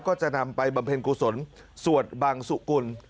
ก็จะนำไปบำเพ็ญกุศลสวดบังสุกุล